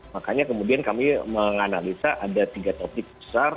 makanya kemudian kami menganalisa ada tiga topik besar